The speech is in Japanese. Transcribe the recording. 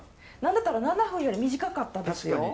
何だったら７分より短かったですよ。